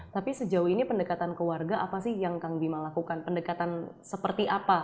tapi sejauh ini pendekatan ke warga apa sih yang kang bima lakukan pendekatan seperti apa